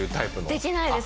できないです。